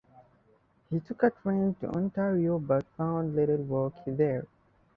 He took a train to Ontario but found little work there.